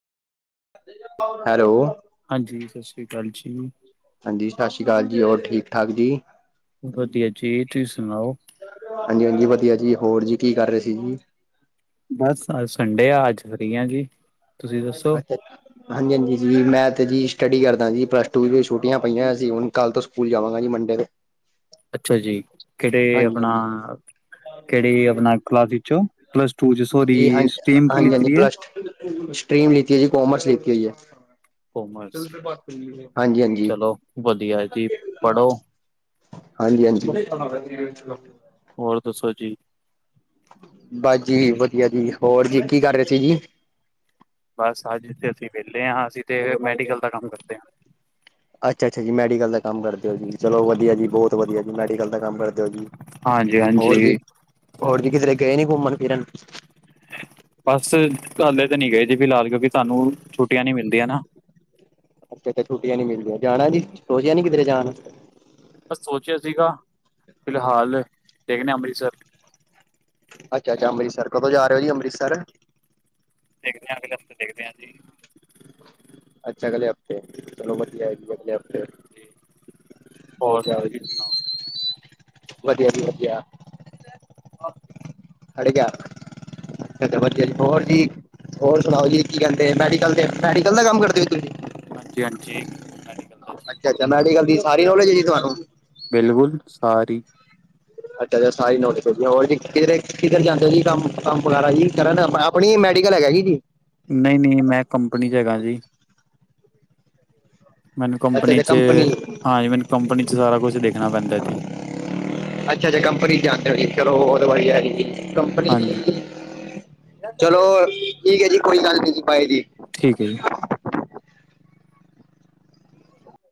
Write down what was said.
Hello ਹਾਂਜੀ ਸਤਿ ਸ਼੍ਰੀ ਅਕਾਲ ਜੀ ਹਾਂਜੀ ਸਤਿ ਸ਼੍ਰੀ ਅਕਾਲ ਜੀ ਹੋਰ ਠੀਕ ਠਾਕ ਜੀ ਵਧੀਆ ਜੀ ਤੁਸੀਂ ਸੁਣਾਓ ਹਾਂਜੀ ਹਾਂਜੀ ਵਧੀਆ ਜੀ ਹੋਰ ਜੀ ਕੀ ਕਰ ਰਹੇ ਸੀ ਜੀ ਬਸ ਅ ਸੰਡੇ ਆ ਅੱਜ ਫ੍ਰੀ ਆ ਜੀ ਤੁਸੀਂ ਦੱਸੋ ਅੱਛਾ ਅ ਹਾਂਜੀ ਹਾਂਜੀ ਜੀ ਮੈਂ ਤਾਂ ਜੀ ਸਟੱਡੀ ਕਰਦਾ ਜੀ ਪਲੱਸ ਟੂ ਚ ਛੁਟੀਆਂ ਪਈਆਂ ਅਸੀਂ ਹੁਣ ਕੱਲ੍ਹ ਤੋਂ ਸਕੂਲ ਜਾਵਾਂਗਾ ਜੀ ਮੰਡੇ ਤੋਂ ਅੱਛਾ ਜੀ ਕਿਹੜੇ ਹਾਂਜੀ ਆਪਣਾ ਹਾਂਜੀ ਕਿਹੜੀ ਆਪਣਾ ਕਲਾਸ ਵਿੱਚੋਂ ਪਲੱਸ ਟੂ ਚ ਜੀ ਹਾਂ ਸੋਰੀ ਸਟਰੀਮ ਕੀ ਹਾਂਜੀ ਲਿੱਤੀ ਹਾਂਜੀ ਦੀ ਏ ਪਲੱਸ ਸਟਰੀਮ ਲਿੱਤੀ ਹੋ ਜੀ ਕੋਮਰਸ ਲਿਤੀ ਹੋਈ ਹੈ ਕੋਮਰਸ ਹਾਂਜੀ ਹਾਂਜੀ ਚਲੋ ਵਧੀਆ ਜੀ ਪੜ੍ਹੋ ਹਾਂਜੀ ਹਾਂਜੀ ਹੋਰ ਦੱਸੋ ਜੀ ਬਸ ਜੀ ਵਧੀਆ ਜੀ ਹੋਰ ਜੀ ਕੀ ਕਰ ਰਹੇ ਸੀ ਜੀ ਬਸ ਅੱਜ ਇਥੇ ਅਸੀਂ ਵਿਹਲੇ ਹਾਂ ਅਸੀਂ ਤੇ ਮੈਡੀਕਲ ਦਾ ਕੰਮ ਕਰਦੇ ਹਾਂ ਅੱਛਾ ਅੱਛਾ ਜੀ ਮੈਡੀਕਲ ਦਾ ਕੰਮ ਕਰਦੇ ਹੋ ਜੀ ਚਲੋ ਵਧੀਆ ਜੀ ਬਹੁਤ ਵਧੀਆ ਜੀ ਮੈਡੀਕਲ ਦਾ ਕੰਮ ਕਰਦੇ ਹੋ ਜੀ ਹਾਂਜੀ ਹੋਰ ਜੀ ਹਾਂਜੀ ਹੋਰ ਵੀੀ ਕਿਧਰੇ ਗਏ ਨੀ ਘੁੰਮਣ ਫਿਰਨ ਬਸ ਕੱਲਦੇ ਤਾਂ ਨੀ ਗਏ ਸੀੀ ਫਿਲਹਾਲ ਕਿਉਂਕਿ ਤੁਹਾਨੂੰ ਛੁੱਟੀਆਂ ਨੀ ਮਿਲਦੀਆਂ ਨਾ ੱਥੇ ਤਾਂ ਛੁੱਟੀਆਂ ਨੀ ਮਿਲਦੀਆਂ ਜਾਣਾ ਜੀ ਸੋਚਿਆ ਨੀ ਕਿਧਰੇ ਜਾਣ ਬਸ ਸੋਚਿਆ ਸੀਗਾ ਫਿਲਹਾਲ ਦੇਖਣੇ ਅੰਮ੍ਰਿਤਸਰ ਅੱਛਾੱਛਾੰ੍ਰਿਤਸਰ ਕੋਂ ਜਾ ਰਹੇ ਜੀ ਅੰਮ੍ਰਿਸਰ ਦੇੇਖਦੇ ਅਗਲੇ ਹਫ਼ਤੇ ਦੇਖਦੇ ਹਾਂ ਜੀ ਅੱਛਾ ਅਗਲੇ ਹਫ਼ਤੇ ਚਲੋ ਮਧ ਆਏਗੀ ਅਗਲੇ ਹਫ਼ਤੇ ਹੋਰ ਓਕੇ ਤੁਸੀਂ ਸੁਣਾਓ? ਵਧੀਆ ਜੀ ਵਧੀਆ ਖੜੇ ਗਿਆ ਫਬਦ ਜੇਲ ਹੋਰ ਜੀ ਹੋਰ ਸੁਣਾਓ ਜੀ ਕੀ ਕਹਿੰਦੇ ਮੈਡੀਕਲ ਤੇ ਮੈਡੀਕਲ ਦਾ ਕੰਮ ਕਰਦੇ ਵੀ ਤੁਸੀਂ ਹਾਂਜੀ ਹਾਂਜੀ ਬਿਲਕੁਲ ਮੈਡੀਕਲ ਦਾ ਜੀ। ਅੱਛਾ ਅੱਛਾ ਮੈਡੀਕਲ ਦੀ ਸਾਰੀ ਨੌਲੇਜ ਹੈ ਜੀ ਤੁਹਾਨੂੰ ਬਿਲਕੁਲ ਸਾਰੀ ਅੱਛਾ ਅੱਛਾ ਸਾਰੀ ਨੋਟ ਪ ਹੋਰ ਜ ਕਿ ਕਿਧਰ ਜਾਂਦੇ ਜੀ ਕੰਮ ਕੰਮ ਵਗੈਰਾ ਜ ਕਰਨ ਆਪਣੀ ਮੈਡੀਕਲ ਹੈਗਾ ਹੈ ਜੀ ਨਹੀਂ ਨਹੀਂ ਮੈਂ ਕੰਪਨੀ ਚ ਹੈਗਾ ਜੀ ਕਿ [inaudible] ਮੈਨੂੰ ਅੱਛਾ ਕੰਪਨੀ ਅੱਛਾ ਚ ਕੰਪਨੀ ਹਾਂਜੀ ਮੈਨੂੰ ਕੰਪਨੀ ਚ ਸਾਰਾ ਕੁਛ ਦੇਖਣਾ ਪੈਂਦਾ ਜੀ ਅੱਛਾ ਅੱਛਾ ਕੰਪਨੀ ਜਾਂਦੇ ਹੋ ਜੀ ਚਲੋ ਉਹ ਦ ਵੀ ਕੰਪਨੀ ਹਾਂਜੀ ਚਲੋ ਠੀਕ ਹੈ ਜੀ ਕੋਈ ਗੱਲ ਨੀ ਜੀ ਬਾਏ ਜੀ ਠੀਕ ਹੈ ਜੀ